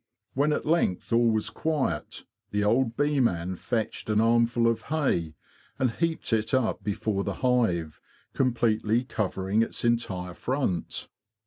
When at length all was quiet, the old bee man fetched an armful of hay and heaped it up before the hive, completely covering its entire front.